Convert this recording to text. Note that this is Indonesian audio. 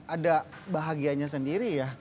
ada bahagianya sendiri ya